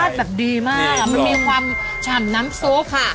อันนี้แป้แบบมีความชำน้ำซุป